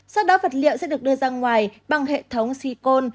sau đó vật liệu sẽ được đưa ra ngoài bằng hệ thống si côn